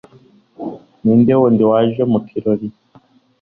ninde wundi waje mu kirori